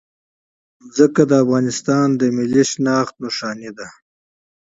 ځمکه د افغانستان د ملي هویت نښه ده.